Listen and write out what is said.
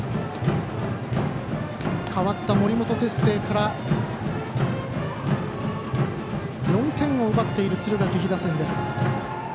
代わった森本哲星から４点を奪っている敦賀気比打線。